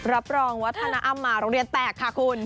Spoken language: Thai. รับรองวัฒนาอ้ำมาโรงเรียนแตกค่ะคุณ